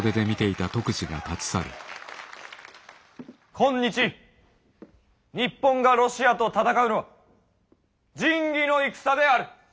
今日日本がロシアと戦うのは仁義の戦である。